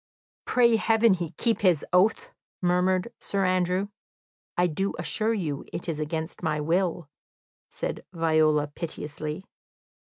"Pray heaven he keep his oath!" murmured Sir Andrew. "I do assure you it is against my will," said Viola piteously.